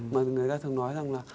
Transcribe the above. mà người ta thường nói rằng là